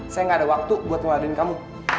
saya gak ada waktu buat ngeluarin kamu